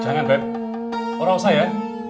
jangan beb orang rasa ya